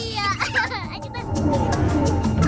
nah teh penglaris teh